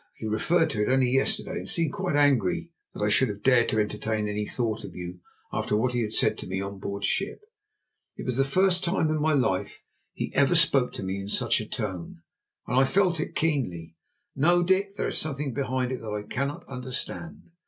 He referred to it only yesterday, and seemed quite angry that I should have dared to entertain any thought of you after what he said to me on board ship. It was the first time in my life he ever spoke to me in such a tone, and I felt it keenly. No, Dick, there is something behind it all that I cannot understand.